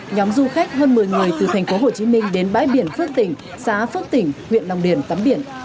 nhóm du khách hơn một mươi người từ tp hcm đến bãi biển phước tỉnh xã phước tỉnh huyện long điền tắm biển